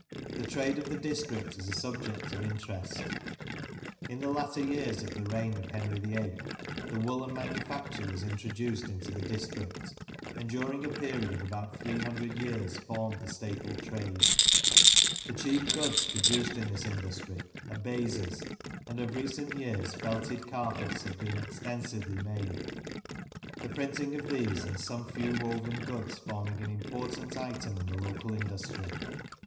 The trade of the district is a subject of interest. In the latter years of the reign of Henry VIII. the woollen manu facture was introduced into the district, and during a period of about 300 years formed the staple trade. The chief goods produced in this industry are baizes, and of recent years felted carpets have been extensively made ; the printing of these and some few woven goods forming an important item in the local industry.